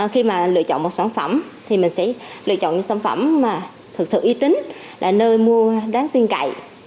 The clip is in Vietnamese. khi mà lựa chọn một sản phẩm thì mình sẽ lựa chọn sản phẩm mà thật sự y tín là nơi mua đá tiên cậy